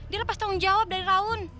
dia lepas tanggung jawab dari raun